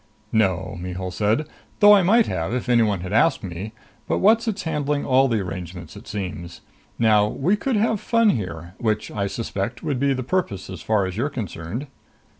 "No," Mihul said. "Though I might have, if anyone had asked me. But Whatzzit's handling all the arrangements, it seems. Now we could have fun here which, I suspect, would be the purpose as far as you're concerned."